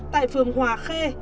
tại phường hòa khê